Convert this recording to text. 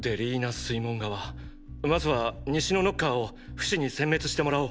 水門側まずは西のノッカーをフシに殲滅してもらおう。